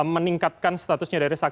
meningkatkan statusnya dari saksi utama